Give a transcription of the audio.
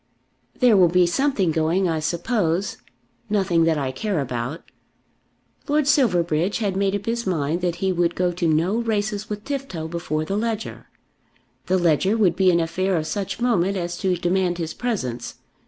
"There will be something going, I suppose. Nothing that I care about." Lord Silverbridge had made up his mind that he would go to no races with Tifto before the Leger. The Leger would be an affair of such moment as to demand his presence.